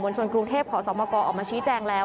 ชนกรุงเทพขอสมกออกมาชี้แจงแล้ว